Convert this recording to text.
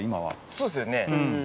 そうですよね。